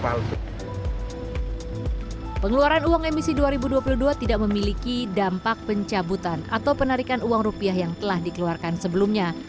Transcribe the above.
pengeluaran uang emisi dua ribu dua puluh dua tidak memiliki dampak pencabutan atau penarikan uang rupiah yang telah dikeluarkan sebelumnya